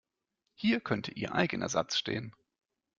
Hier könnte Ihr eigener Satz stehen.